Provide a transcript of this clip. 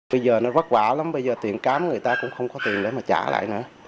bây giờ nó vất vả lắm bây giờ tiền cám người ta cũng không có tiền để mà trả lại nữa